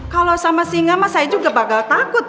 kalo sama singa mah saya juga bakal takut